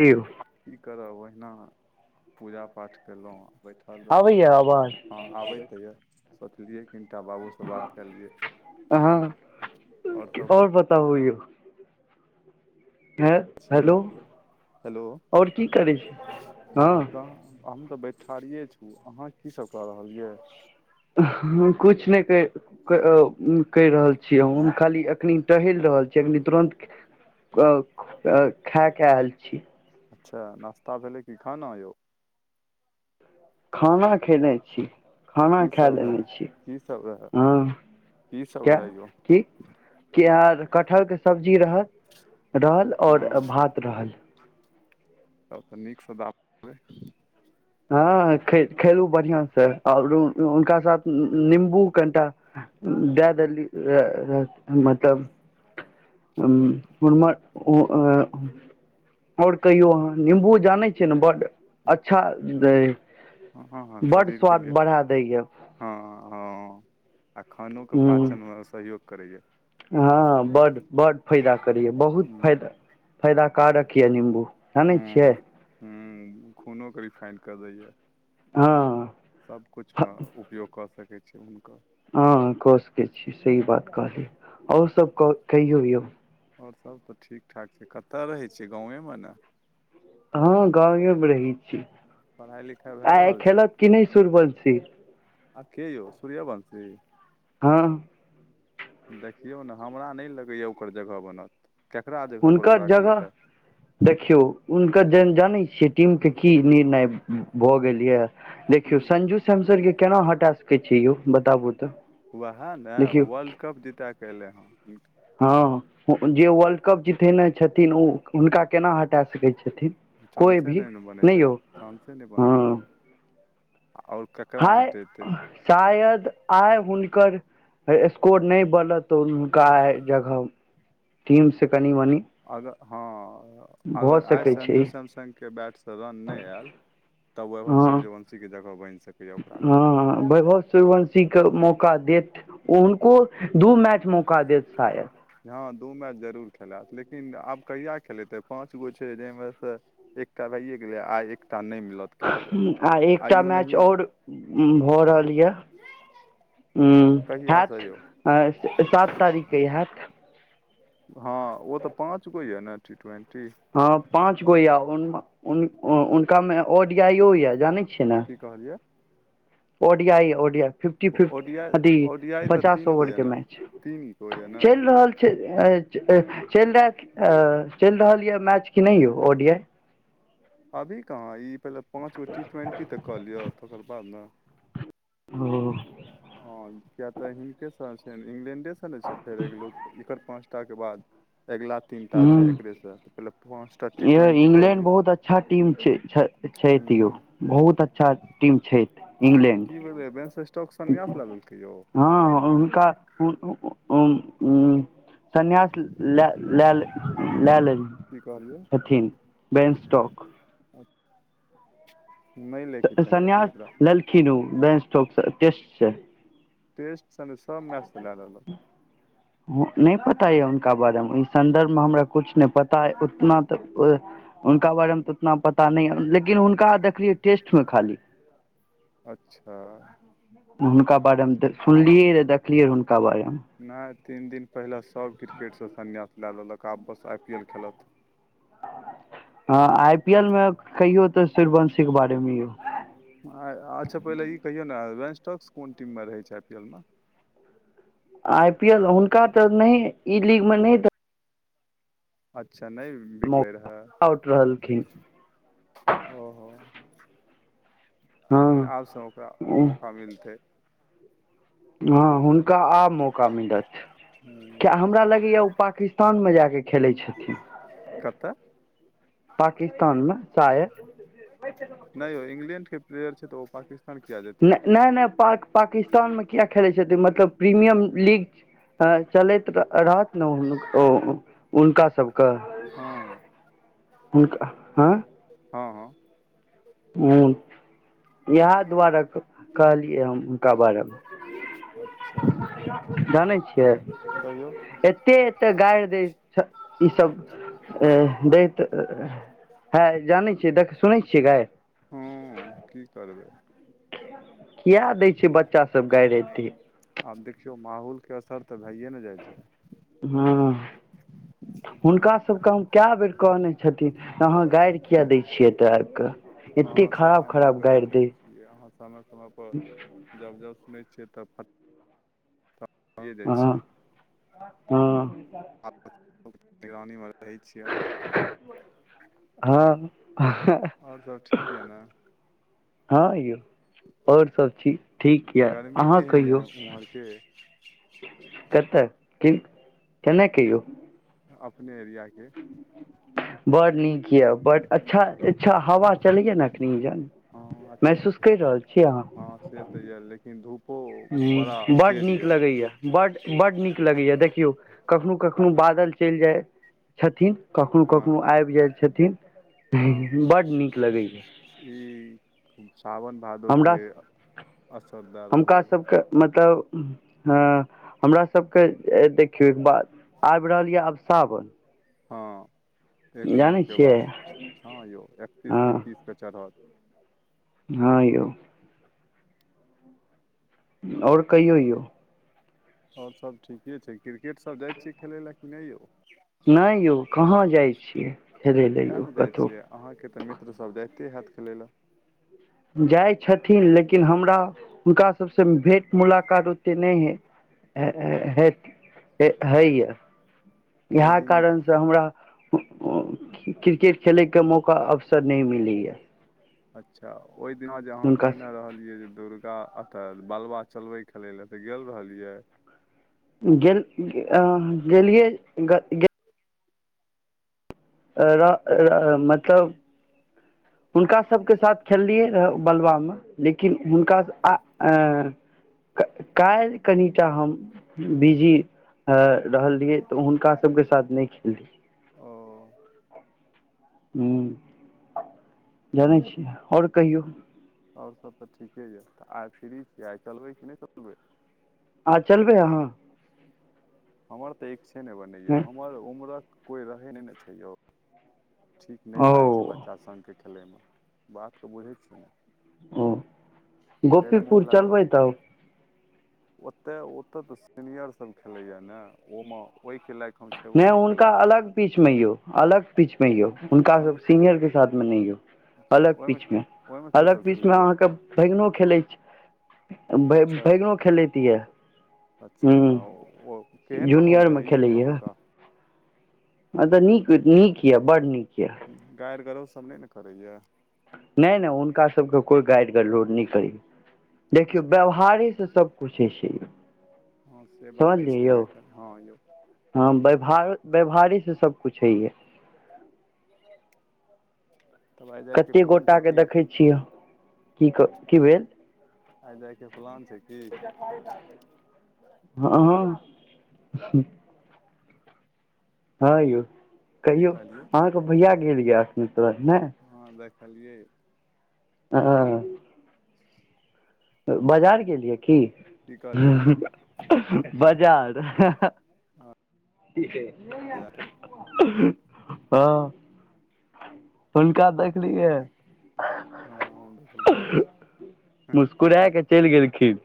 यौ की करब ओहिना पूजा पाठ कयलहुँ आ। हरदम अबैया आबैया आवाज [unintelligible] आबे त य सोचलियै क बेटा बाबू से बात क लियए आओर सब। और बताबु यौ। हे कहै छियै हेलो हेलो और की करै छी हाँ। कहाँ हम तऽ बैठारियए छी अहाँ की सब कऽ रहल यऽ। हम कुछ नै कर। कर कैर रहल छियै हम खाली एखनि टहल रहल छीयै एखनी तुरन्त। अ तऽखाय के आयल छी। अच्छा नाास्ता भेलै कि खाना यौ। खाना खेने छी। खाना की खाए सब लेने रहै छी की सब रहै हाँ की सब केए रहै यौ की। कियार कटहल के सब्जी रहल रहल और हँ भात रहल। अपन नीकसे दाम देबै। हाँ खे खेलहुं बढ़िया से आऔर हुनका साथ नीबू कनिटा। दाए देली मतलब। उर मर उ आ ओ। और कहियो अहाँ निबू जाने छियै ने बड अच्छा। दै बड स्वाद बढ़ा दै या। हाँ हाँ आ खानो के पाचनमे सहयोग करैय। हाँ बड बड फायदा करैय बहुत हूँ फैदा फैयदा कारक या निबू। हूं हूं खुनो के रिफाइनड कऽ दैएया। हाँ। सबकिछुमे उपयोग कऽ सकै छै हुनकर हँ कऽ सकैत छी सही बात कहली, आओर सब क कहियौ यौ। आओर सब तऽ ठीकठाक छै, कतऽ रहै छि गाँवे मे ने। हँ गावे मे रही छी, पढ़ाइ लिखाइ भए आइ रहल खेलक की नहि सूर्यवंशी। आखे यौ सूर्यवंशी। हँ। देखियौ ने हमरा नहि लगैए ओकर जगह बनत। केकरा जगह पर हुनकर ओकरा जगह खेलेतै देखियौ हुनकर जन जानै छियै टीम के की निर्णय भऽ गेल या। की देखियौ संजू सैमसर के केना हटा सकैत छियै यौ, बताबू तऽ उएह ने, देखियौ वर्ल्ड कप जीतैके अएलै हँ। हँ, जे वर्ल्ड कप जीतेने छथिन ओ हुनका केना हटा सकैत छथिन। इ कोइ चानसे भी नहि ने बनै छे, यौ चानसे नहि हँ बनतै। आओर ककरा हाय, हटेतै शायद आय हुनकर एय स्कोर नहि बनत तऽ हुनका आए जगह, टीम से कनि- मनि अगर हँ, भऽ अगर आइ सकै छै संजू सैमसंग के बैट सँ रन नहि आयल तब वैभव हँ सूर्यवंशी के जगह बनि सकैए ओकरा जगह पर। सवंशी के मौका देत, ओ हुनको दू मैच मौका देत शायद। हँ दू मैच जरूर खेलायत, लेकिन आब कहिआ खेलेतै पाँच गो छै जाहिमे सँ एकटा भइए गेलै आइ एकटा नहि मिलत। खेलै अह- लए हु, आ एकटा आइयो मैच नहिए और उ भ रहल ये। हुं कहियासँ हैथ, यौ हाठ सात तारीके हैथ। हँ, ओ तऽ पाँच गो याऽ ने टी ट्वेन्टी। ह पाच गो या हुन-हुन व हुनका मे ओ डी आई यो या जाने छिये ने। की कहलियै। ओडियाइ ओडिया फिफ फिफ्टी-फिफ्टी, ओडियाइ अघी ओडियाइ तऽ पचास तीन गो ओवर यए के ने मैच तीन गो छै, यए ने चलि रहल चलि एय चय ए चलि रहल ऑ--चलि रहल यऽ मैच कि नहियौ ओ डी आइ। अभी कहाँ ई पहिले पाँच गो टी ट्वेन्टी तऽ कऽ लिअ, तकर बाद ने। ओ अ हँ किया तऽ हिनके साथ छैनि, इंग्लेंडे सॅ नहि छै फेर अगिलो, एकर पाँचटा के बाद अगिला तीनटा छै एकरे। एकरा त पहिले पाॅच यार इंग्लैंड बहुत अच्छा टीम छै छ छैथ यौ। हूँ बहुत अच्छा टीम छैथ इंग्लैंड। ं वैंस स्टॉक सन्यास ल लेलकै यौ। हँ हु हुनका उ- उ-उ ॐ उ सन्यास लए- लए- लए लेल की कहलियै छथिन। बैंस्टॉक, नहि लैके त-त चाही एखन ओकरा संन्यास लेलखीन ओ, बैनस्टॉक सर, टेस्ट स। टेस्ट सन सब मैच खेलय रहलअ। मुख्य नहि पता एय हुनका बारे मे, ई संदर्भ में हमरा कुछ ने पता अय, उतना तऽ कुल, हुनका बारे मे तऽ उतना पता नहि हन, लेकिन जे हुनका देखलियै टेस्ट मे खाली। अच्छा। हुनका बारे मे त सुनलियै- देखलियै हुनका बारे मे। नहि तीन दिन पहिले सभ क्रिकेटसँ सन्यास लए लेलक आब बस आई पी एल खेलत। हं आई पी एल में कहियो तऽ सूर्यवंशी के बारे मे यौ। आ-अच्छा पहिले ई कहियौ ने रेंसटस्क कोन टीम मे रहे छैथ आई पी एल मे? आई पी एल हुनका तऽ नहि ई लीग में नहि त- अच्छा नहि बिकलै मौका आउट रहलखिन रहय। ओ हो हँ लेकिन आबसँ ओकरा मौका मिलतै। हँ हुनका आब मौका मिलत हूँ, क्याइ हमरा लगेया ओ पाकिस्तान में जाय के - खेलै छथिन। कतऽ पाकिस्तान मे शाय- नय यौ इंग्लैंड के प्लेयर छै तऽ ओ पाकिस्तान- किया जेथिन नय- नय- नय पाक-पाकिस्तानमे किया खेलैत छथिन? मतलब प्रीमियम लीग- चलैत रहत-रहत ने ओ -हुनका सभके? हँ हुनका- हँ- हँ हँ- [unintelligible] कोन? इएह दुआरे क-कहलियै हम हुनका बारेमे- अच्छा [unintelligible] [unintelligible] जानै छियै? कहियौ एते एते गारि दै छ -ई सब- ऐ दैत है -जानै छियै देख सुनै छियै गायर? हँ की करबै। किया दै छै बच्चा सब- गारि एते आब देखियौ माहौलके असर तऽ भइए ने जाइ छै। हँ हुनका सबके हम कए बेर कहने छथिन। अहाँ गाइश्र किया दै छियै? एतऽ आबि कऽ- एते हँ से तऽ खराब हम खराब अहाँके गारि देखै दै छियै अहाँ समय समयपर जब जब सुनै छियै तब फ- जाय हँ छियै हँ [unintelligible] कहै छी अहाँ। हँ आओर सब ठीक यैऽ ने? हँ यौ। आओर सभचीज ठीक यए। गर्मी अहाँ केहन कहियौ? यऽ उम्हरके कतऽ? की-केना क यौ? अपने एरियाके- बड़ नीक यऽ बड अच्छा अच्छा हवा चलैया ने एखनी? हँ अच्छा महसूस कय रहल छीयै अहाँ? हँ से तऽ यैऽ लेकिन धूपो बड़ा हूँ बड तेज नीक यैऽ लगैया बड -बड नीक लगैएा देखियौ कखनो कखनो बादल चलि जाय- छथिन कखनो हँ कखनो आबि जाइ छथिन हँ बड्ड नीक लगैया। ई सावन भादो हमरा के असर देय हुनका रहले य। मतलब- हँ। हमरा सभके देखियौ एक बात-आबि रहल यए आब सावन। हँ एक जानै माहके छियै बाद हँ यौ एकतीस त हँ तीसके चढ़त। हँ यौ। आओर कहियो यौ- आओर सभ ठीके छै क्रिकेटसभ जाइ छियै खेलय लए कि नय यौ? नहि यौ कहाँ जाइ छियै हेलै लए किए यौ ने जाइ कतहु छियै? अहाँके तऽ मित्र सब जाइते हयैत खेलै लए। जाइ छथिन लेकिन हमरा हुनका सबसँ भेंट- मुलााकत ओते नहि हय ह-ह- हेत। ऐ हय य ओहि इएह दिन कारण से हमरा क्रिकेट खेले के मौका अवसर नहि मिलै या। अच्छा ओहि दिना जे अहाँ हुनकासँ कहने रहलियै जे दौड़ त अतऽ बलबा चलबै खेलै लए, तऽ गेल रहलियै? गेल अ गेलियए ग गेल र र मतलब हुनका सबके साथ खेललियै रहऽ बलबामे लेकिन हुनका स आ अ काल्हि कनिटा हम बिजी अ रहलियै तऽ हुनका सबके साथ नहि खेललहियै। ओ हँ जनै छियै आओर कहियौ आओर सभ तऽ ठीके यऽ तऽ आइ फ्री छी आइ चलबै कि नहि चलबै आ चलबै अहाँ? हमर तऽ इक्छे नहि बनैए, हँ हमर उम्रक कोइ रहै नहि ने छै यौ! ठीक नहि ओ लागै छै बच्चा सङ्गके खेलयमे, बातकेऽ बुझै छियै ने? हँ फेर गोपीपुर चलबै तब? ओते ओते तऽ सीनियर सब खेलै या ने, ओमे ओहिके लायक हम छेबो नै नहि हुनका केलहुँ अलग पीच मे यौ, अलग पीच मे यौ, हुनका ओहिमे सब सीनियर के साथ मे लियौ। अच्छा अलग ओहिमे पीच में, ओहिमे के अलग सब पीच मे खेलैया अहाँ के भैगनो खेलैत छै। भै अच्छा भैगनो खेलैतै य। अच्छा ओ केहन माहौल जूनियरमे रहैए ओतुका? अद नीक नीक यए बड नीक यए। गाइर गरोर सब नहि ने करैया? नहि नहि हुनका सबके कोइ गाइर गरोड नहि करी देखियौ व्यवहारे से सब पुछै छै। हँ से बात तऽ समझलियै छेबे यौ कयल हँ यौ। हँ व्यहार व्यवहारी से सब कुछु हइ ये। तब आइ जायके कते प्लान छै गोटाके की देखै छियै की कह की भेल? आइ जायके प्लान छै की? हँ हँ हँ यौ की कहियौ? कहलियै अहाँके भैया गेल य अखन त ने? हँ देखलियै। ह बाजार गेलियै की? की कहलियै बाजार हँहँह ई छै [inaudible] हँ हुनका देखलियै? हँ हम देखलियै ह। दे क चलि गेलखिन।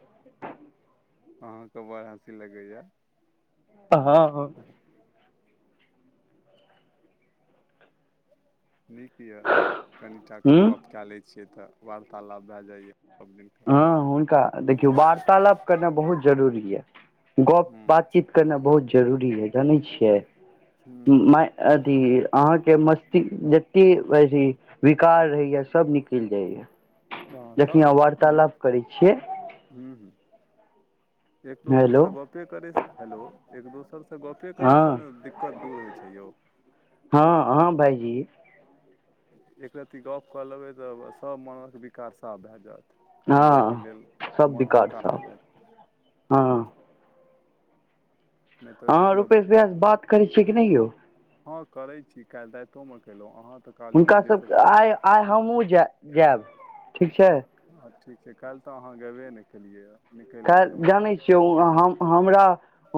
अहाँके बड़ हँसी लगैए? अ हँ हँ नीक यऽ, कनिटाकेऽ हूँ गप कए लै छियै तऽ, वार्तालाप भए जाइए। सभ दिनके हँ हुनका देखियौ अखबार वार्तालाप करना बहुत जरूरी य। गप हूँ बातचीत करनाई बहुत जरूरी अईछ जानै छियै? हूँ माई अथि अहाँके जते वैधि विकार रहैया सब निकलि जाइया। बऽ तऽ एहूं छियै मे हूं- हूं। एक दोसर हेलो सऽ गपे करे, हेलो एक दोसर स- ऽ गपे करै हँ से न, दिक्कत दूर होइ छै यौ। हँ -हँ भाइजी। एकरत्ती गप्प कऽ लेबै तऽ, सब मनक विकार साफ भए जैत। हँ कनि देरके लेल, सब मोन विकार हल्का सब भए जैत। हँ नहि तऽ ओहिसँ अहाँ पहिले रूपेश भैया स, बात करै छियै कि नहि यौ। हँ करै छी, काल्हि राइतो में केलऊ, अहाँ तऽ- काली हुनका मन्दिरसँ सबके, आइ आइ हमहूँ जा जैब, ठीक छै। हँ ठीक छै, काल्हि तऽ अहाँ गेबे नहि केलियैए। खैर जानै छियै, ओ हम - हमरा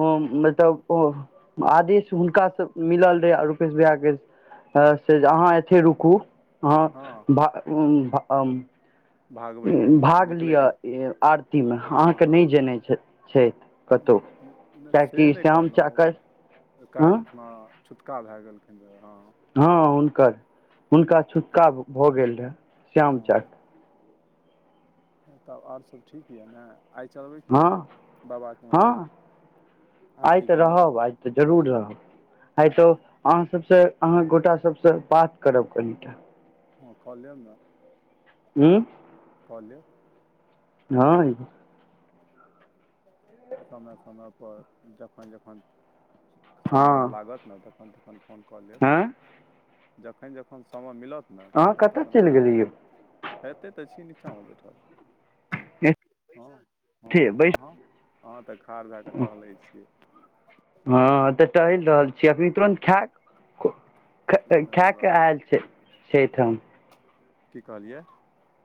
ओ मतलब ओ आदिश हुनकासँ मिलल रहै, रुपेश भैया के अ से जे अहाँ एथे रुकू। हँ [unintelligible] भागबै नहि भाग लिय निकलैके नहि ए आरती में, आ अहाँके नहि हँ जेनइ छथ-छैथ। कतौ, कियाकि श्याम चा कर, काइल खुना, छूतका भए गेलखिन रैं हँ। हँ, हुनकर - हुनका छुतका भऽ गेल रहैं, श्याम चा क। हँ तब अओरसब ठीक यए नऽ, आइ चलबै कि हँ नहि बाबाके हँ मन्दिर। आइ तऽ आरतीके बाद रहब, आइ तऽ जरूर रहब, आइ तो हँ अहाँ सबसँ, अहाँ गोटा सबसँ, बात करब कनिटा। हँ कऽलेम न। उूं कऽ लेब। नाईं समय-समय पर, जखन-जखन समय मे हँ लागत ने, तखन-तखन फोन कऽ लेब, हँ जखैन-जखन समय मिलत अहाँ कतऽ चलि गेलियै। ऐतै तऽ छी नीचाँमे बैठल। हँ - हँ एथे बैस अहाँ अहाँ तऽ, खाड़ भए कऽ टहलै छियै। हँ, तऽ टहल रहल छी, अखनी तुरन्त खैं ख - की खैं कहलियै कऽ बाबू आयल छै छयठाम। कि कहलियै।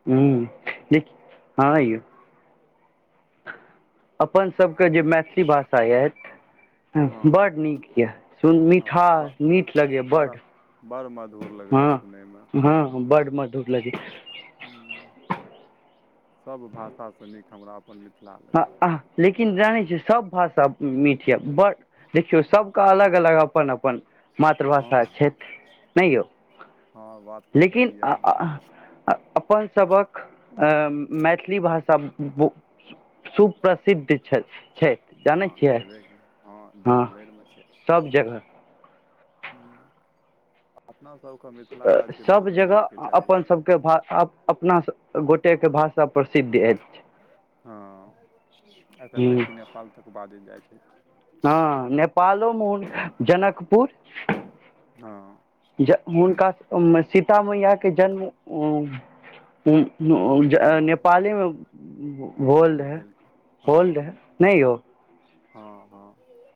हूं देखि हँ यौ। अपन सबकऽ जे मैथिली भाषा यैथ हँ, बड़ नीक यऽ, सुन हँ मिठास मीठ लगैए बड़ा बड। मधुर लगै यऽ, सुनैमे। हँ - हँ बड मधुर लगै यैं। हूं, सब भाषासँ नीक हमरा अपन मिथ हँ, आह, लेकिन जानै छियै, सब भाषा मीठ यऽ बड। देखियौ सब कऽ अलग-अलग, अपन-अपन हँ मातृभाषा छथि, नहि यौ हँ बात तऽ सही लेकिन यए अहाँके आ-आ-अह अ-अपन सभक ॲ मैथिली भाषा बो सुप्रसिद्ध छथ छैथ जानै हँ छियै। छेबे की हँ, देश भरिमे छै सभ जगह हूँ। अपना सभके मिथिला राज्यके दर्जो मिलैके चाही। के भा आप अपना सब गोटेके भाषा प्रसिद्ध अछि। हँ, एतय तक कि नेपाल तक बाजै जाइ छैय। हँ, नेपालोमे जनकपुर। हँ ज हुनका सीता मैयाके जन्म हँ नेपालेमे हुअल रहै। भेल होल रहय, नहि यौ। हँ-हँ।